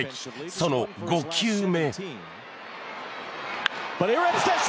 その５球目。